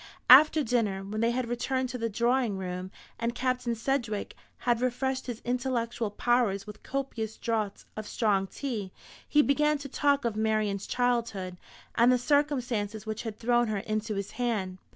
After dinner, when they had returned to the drawing room, and Captain Sedgewick had refreshed his intellectual powers with copious draughts of strong tea, he began to talk of Marian's childhood, and the circumstances which had thrown her into his hand.